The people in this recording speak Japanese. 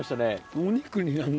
お肉になんの？